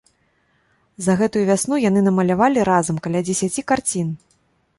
За гэтую вясну яны намалявалі разам каля дзесяці карцін.